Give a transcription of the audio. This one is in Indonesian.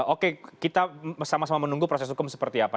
oke kita sama sama menunggu proses hukum seperti apa